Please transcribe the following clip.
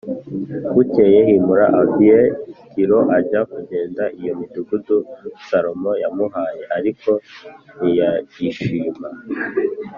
Bukeye Hiramu ava i Tiro ajya kugenda iyo midugudu Salomo yamuhaye, ariko ntiyayishima